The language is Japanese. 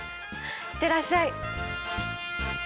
行ってらっしゃい。